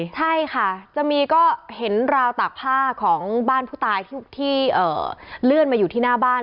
ใช่ค่ะจะมีก็เห็นราวตากผ้าของบ้านผู้ตายที่เลื่อนมาอยู่ที่หน้าบ้าน